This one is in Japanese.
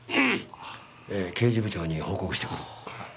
えー刑事部長に報告してくる。